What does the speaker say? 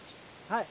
はい。